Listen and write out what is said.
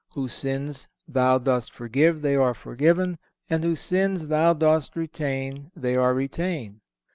Whose sins thou dost forgive, they are forgiven; and whose sins thou dost retain, they are retained."